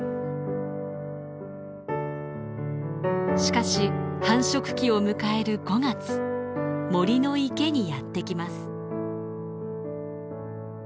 しかし繁殖期を迎える５月森の池にやって来ます。